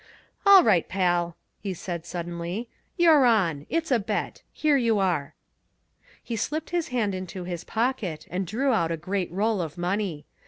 "All right, pal," he said suddenly. "You're on. It's a bet. Here you are." He slipped his hand into his pocket and drew out a great roll of money.